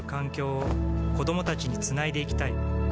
子どもたちにつないでいきたい